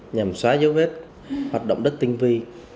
nhằm xóa dấu vết hoạt động đất tinh vi